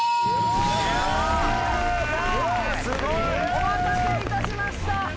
お待たせいたしました。